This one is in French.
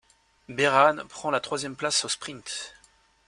Berhane prend la troisième place au sprint.